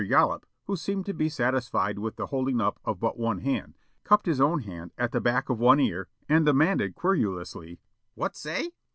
Yollop, who seemed to be satisfied with the holding up of but one hand, cupped his own hand at the back of one ear, and demanded querulously: "What say!"